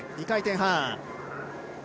２回転半。